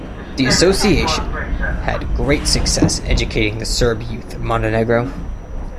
The association had great success in educating the Serb youth of Montenegro.